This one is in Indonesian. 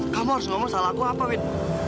kamu harus ngomong salah aku apa win